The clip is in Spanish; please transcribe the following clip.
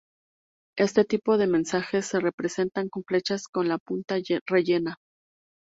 Este tipo de mensajes se representan con flechas con la punta rellena.